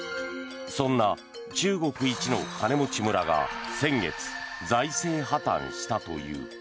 そんな中国一の金持ち村が先月財政破たんしたという。